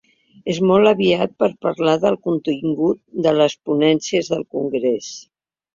És molt aviat per parlar del contingut de les ponències del congrés.